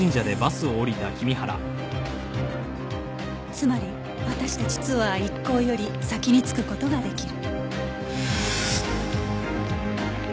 つまり私たちツアー一行より先に着く事ができる